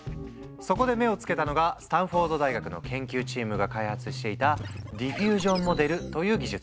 そこで目をつけたのがスタンフォード大学の研究チームが開発していたディフュージョンモデルという技術。